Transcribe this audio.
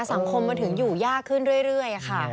สังคมมันถึงอยู่ยากขึ้นเรื่อยค่ะ